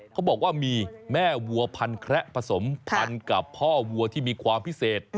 เขาบอกว่ามีแม่วัวพันแคระผสมพันกับพ่อวัวที่มีความพิเศษ